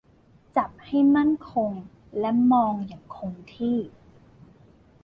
จับให้มั่นคงและมองอย่างคงที่